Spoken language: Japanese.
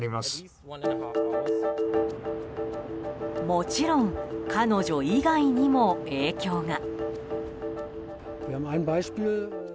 もちろん彼女以外にも影響が。